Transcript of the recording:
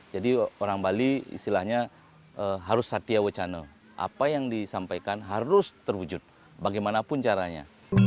jadi orang bali istilahnya harus satia wacana apa yang disampaikan harus terwujud bagaimanapun caranya